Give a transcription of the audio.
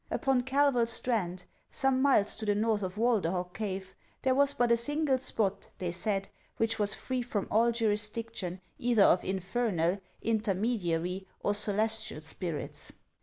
Upon Kelvel strand, some miles to the north of Walderhog cave, there was but a single spot, they said, which was free from all jurisdiction either of infernal, intermediary, or celestial 202 HANS OF 1CKLAND. spirits.